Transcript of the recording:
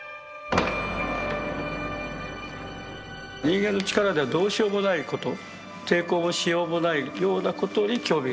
人間の力ではどうしようもないこと抵抗のしようもないようなことに興味があります。